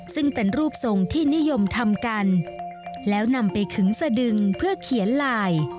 ซึ่งเป็นรูปทรงที่นิยมทำกันแล้วนำไปขึงสะดึงเพื่อเขียนลาย